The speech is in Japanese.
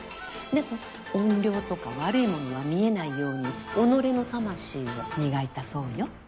でも怨霊とか悪いものは見えないように己の魂を磨いたそうよ。